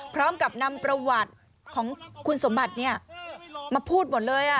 พร้อมกับนำประวัติของคุณสมบัติมาพูดหมดเลย